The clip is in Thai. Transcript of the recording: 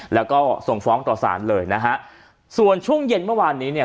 แล้วก็ส่งฟ้องต่อสารเลยนะฮะส่วนช่วงเย็นเมื่อวานนี้เนี่ย